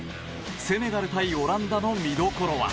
セネガル対オランダの見どころは？